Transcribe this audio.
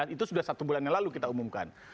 itu sudah satu bulan yang lalu kita umumkan